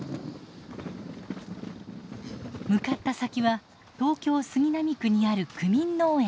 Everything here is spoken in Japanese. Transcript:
向かった先は東京・杉並区にある区民農園。